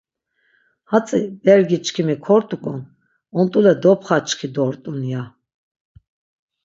Hatzi bergi çkimi kort̆uǩon ont̆ule dopxaçki dort̆un ya.